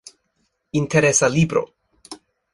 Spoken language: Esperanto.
Interesa libro.